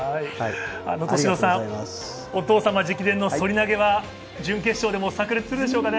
敏郎さん、お父様直伝の反り投げは準決勝でもさく裂するでしょうかね。